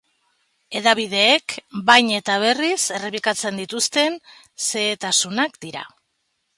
Hedabideek bahin eta berriz errepikatzen dituzten zehetasunak dira.